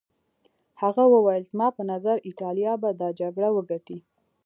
هغه وویل زما په نظر ایټالیا به دا جګړه وګټي.